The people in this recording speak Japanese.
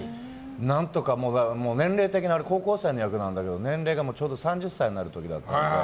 何とか、年齢的にあれは高校生の役なんだけど年齢がちょうど３０歳になる時だったので。